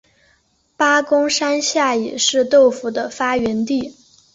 八公山下也是豆腐的发源地。